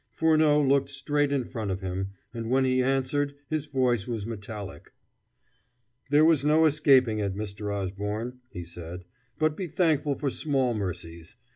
Furneaux looked straight in front of him, and when he answered, his voice was metallic. "There was no escaping it, Mr. Osborne," he said. "But be thankful for small mercies.